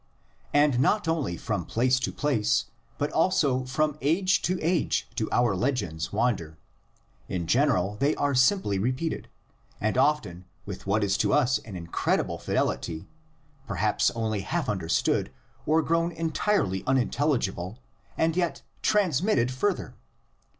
And not only from place to place, but also from age to age, do our legends wander. In general they are simply repeated, and often with what is to us an incredible fidelity, — perhaps only half understood or grown entirely unintelligible, and yet transmitted further!